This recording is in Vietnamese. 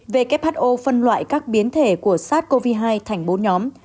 who phân loại các biến thể của sars cov hai thành bốn nhóm